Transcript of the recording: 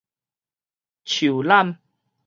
樹攬